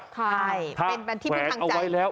ใช่เป็นที่พึ่งทางใจถ้าแขวนเอาไว้แล้ว